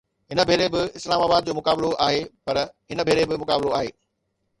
هن ڀيري به اسلام آباد جو مقابلو آهي، پر هن ڀيري به مقابلو آهي